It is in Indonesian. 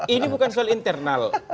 ini bukan soal internal